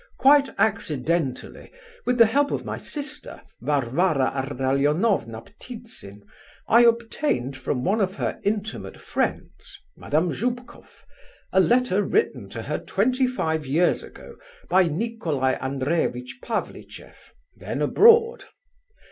Quite accidentally, with the help of my sister, Varvara Ardalionovna Ptitsin, I obtained from one of her intimate friends, Madame Zoubkoff, a letter written to her twenty five years ago, by Nicolai Andreevitch Pavlicheff, then abroad.